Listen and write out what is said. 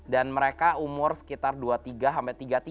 dan mereka umur sekitar dua tiga sampai tiga tiga